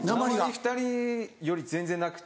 ２人より全然なくて。